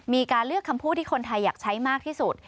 มีการเลือกคำพูดที่คนไทยอยากใช้มากที่สุด